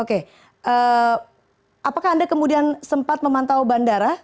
oke apakah anda kemudian sempat memantau bandara